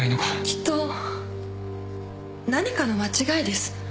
きっと何かの間違いです。